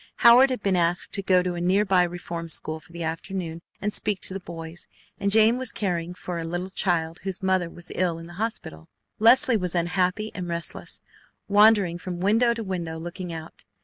Howard had been asked to go to a nearby Reform School for the afternoon and speak to the boys, and Jane was caring for a little child whose mother was ill in the hospital. Leslie was unhappy and restless, wandering from window to window looking out.